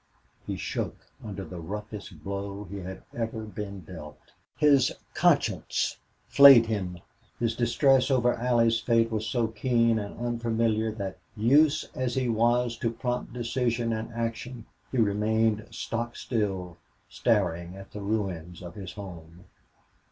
He shook under the roughest blow he had ever been dealt; his conscience flayed him; his distress over Allie's fate was so keen and unfamiliar that, used as he was to prompt decision and action, he remained stock still, staring at the ruins of his home.